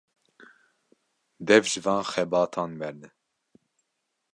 Dev ji van xebatan berde.